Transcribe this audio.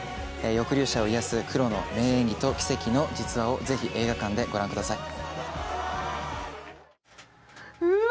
抑留者を癒やすクロの名演技と奇跡の実話をぜひ映画館でご覧ください